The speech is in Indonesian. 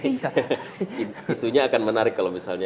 isunya akan menarik kalau misalnya